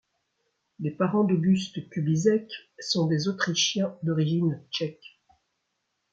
Les parents d'August Kubizek sont des Autrichiens d'origine tchèque.